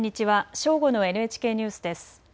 正午のＮＨＫニュースです。